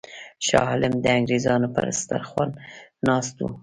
شاه عالم د انګرېزانو پر سترخوان ناست وو.